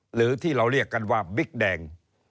หรือที่เราเรียกกันว่าบิ๊กแดง